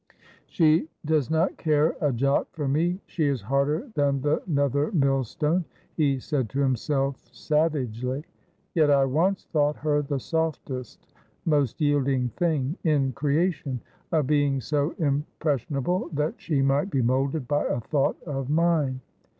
' She does not care a jot for me ; she is harder than the nether millstone,' he said to himself savagely. ' Yet I once thought her the softest, most yielding thing in creation — a being so impressionable that she might be moulded by a thought of mine.